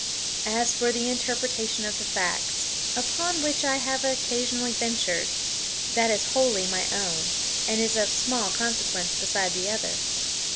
As for the interpretation of the facts, upon which I have occasionally ventured, that is wholly my own and is of small consequence beside the other.